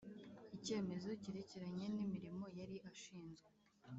Icyemezo cyerekeranye n’imirimo yari ashinzwe